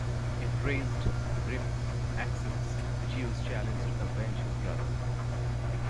Enraged, Rip accepts Zeus' challenge to avenge his brother.